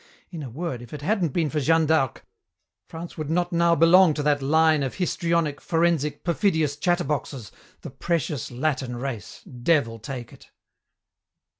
In a word, if it hadn't been for Jeanne d'Arc, France would not now belong to that line of histrionic, forensic, perfidious chatterboxes, the precious Latin race Devil take it!"